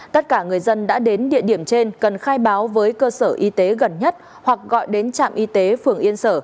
tất cả người dân đã đến địa điểm trên cần khai báo với cơ sở y tế gần nhất hoặc gọi đến trạm y tế phường yên sở